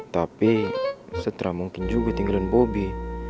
tapi seterah mungkin juga tinggalin bobby